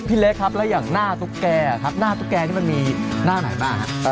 เล็กครับแล้วอย่างหน้าตุ๊กแกครับหน้าตุ๊กแกนี่มันมีหน้าไหนบ้างครับ